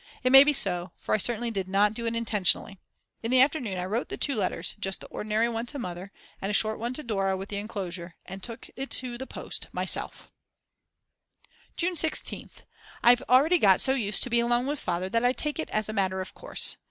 It may be so, for I certainly did not do it intentionally. In the afternoon I wrote the two letters, just the ordinary one to Mother and a short one to Dora with the enclosure, and took it to the post myself. June 16th. I've already got so used to being alone with Father that I take it as a matter of course.